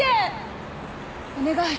お願い。